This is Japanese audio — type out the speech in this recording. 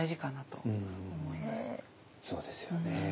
そうですよね。